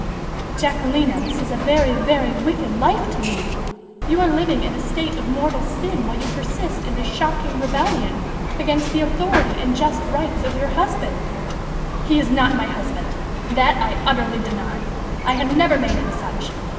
"But, Jacquelina, this is a very, very wicked life to lead! You are living in a state of mortal sin while you persist in this shocking rebellion against the authority and just rights of your husband." "He is not my husband! that I utterly deny! I have never made him such!